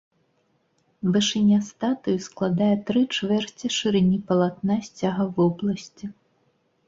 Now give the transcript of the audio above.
Вышыня статуі складае тры чвэрці шырыні палатна сцяга вобласці.